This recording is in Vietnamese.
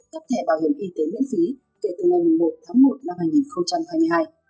cấp thẻ bảo hiểm y tế miễn phí kể từ ngày một tháng một năm hai nghìn hai mươi hai